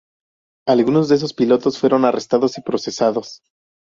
Algunos de esos pilotos fueron arrestados y procesados.